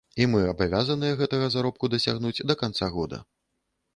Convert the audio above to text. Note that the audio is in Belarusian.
І мы абавязаныя гэтага заробку дасягнуць да канца года.